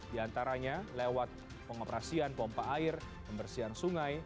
di antaranya lewat pengoperasian pompa air pembersihan sungai